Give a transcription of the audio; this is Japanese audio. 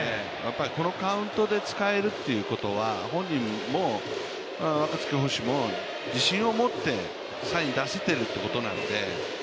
このカウントで使えるということは若月捕手も自信を持ってサインを出しているということなので。